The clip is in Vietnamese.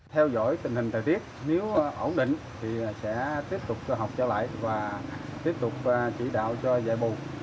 theo dõi tình hình thời tiết nếu ổn định thì sẽ tiếp tục học trở lại và tiếp tục chỉ đạo cho dạy bù